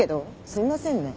すいませんね。